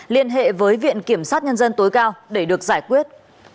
liên hệ với viện kiểm sát nhân dân tối cao để được giải quyết